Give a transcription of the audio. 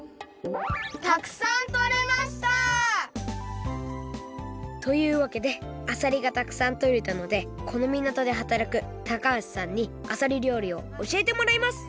たくさんとれました！というわけであさりがたくさんとれたのでこのみなとではたらく橋さんにあさり料理をおしえてもらいます